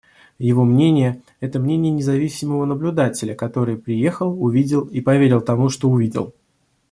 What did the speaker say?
Его мнение — это мнение независимого наблюдателя, который приехал, увидел и поверил тому, что увидел.